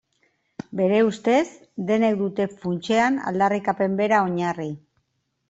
Bere ustez denek dute funtsean aldarrikapen bera oinarri.